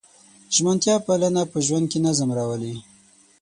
ژمنتیا پالنه په ژوند کې نظم راولي.